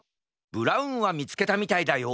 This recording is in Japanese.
ブラウンはみつけたみたいだよ